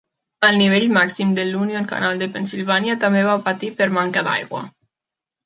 El nivell màxim de l'Union Canal de Pennsilvània també va patir per manca d'aigua.